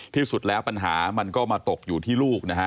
ที่สุดแล้วปัญหามันก็มาตกอยู่ที่ลูกนะฮะ